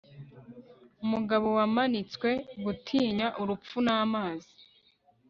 Umugabo Wamanitswe Gutinya urupfu namazi